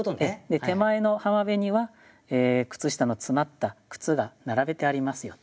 で手前の浜辺には靴下の詰まった靴が並べてありますよと。